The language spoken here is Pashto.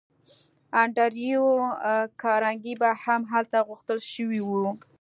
انډریو کارنګي به هم هلته غوښتل شوی وي